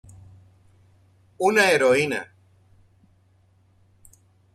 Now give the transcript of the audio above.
Una heroína.